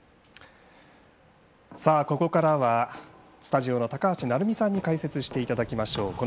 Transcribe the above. ここからはスタジオの高橋成美さんに解説していただきましょう。